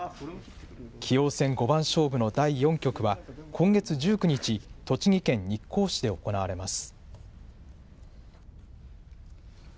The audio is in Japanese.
棋王戦五番勝負の第４局は、今月１９日、栃木県日光市で行われます。